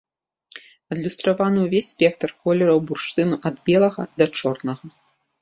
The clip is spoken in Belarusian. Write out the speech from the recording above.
Адлюстраваны ўвесь спектр колераў бурштыну ад белага да чорнага.